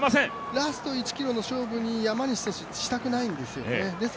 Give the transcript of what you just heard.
ラスト１ｋｍの勝負に山西選手したくないんですよね、